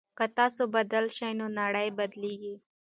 که تاسو بدل شئ نو نړۍ بدليږي.